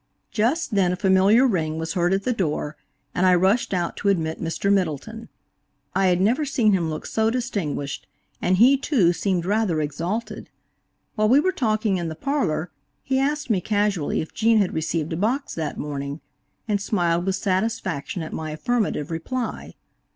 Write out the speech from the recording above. Just then a familiar ring was heard at the door, and I rushed out to admit Mr. Middleton. I had never seen him look so distinguished, and he, too, seemed rather exalted. While we were talking in the parlor he asked me casually if Gene had received a box that morning, and smiled with satisfaction at my affirmative reply.